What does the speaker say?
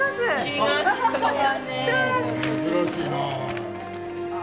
珍しいな。